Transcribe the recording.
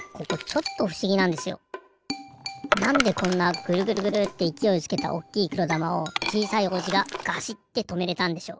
なんでこんなグルグルグルっていきおいつけたおっきいくろだまをちいさい王子がガシッてとめれたんでしょう？